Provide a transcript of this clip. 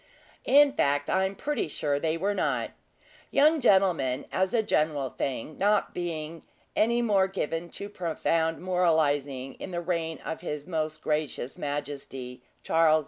In fact, I am pretty sure they were not: young gentlemen, as a general thing, not being any more given to profound moralizing in the reign of His Most Gracious Majesty, Charles II.